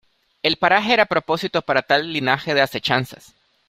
el paraje era a propósito para tal linaje de asechanzas: